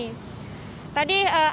tadi kita melihat dari luar